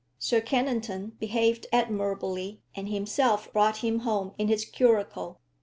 Sir Kennington behaved admirably, and himself brought him home in his curricle.